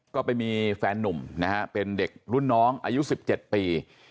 ก็ไปมีแฟนนุ่มนะฮะเป็นเด็กรุ่นน้องอายุ๑๗ปี